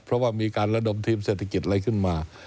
เพราะว่ามีการระดมทีมเศรษฐกิจอะไรขึ้นมา